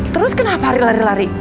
terus kenapa hari lari lari